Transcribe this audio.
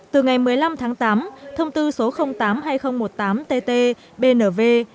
từ ngày một mươi năm tháng tám thông tư số tám hai nghìn một mươi tám tt bnv